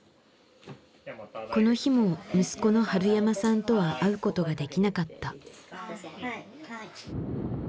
この日も息子の春山さんとは会うことができなかった。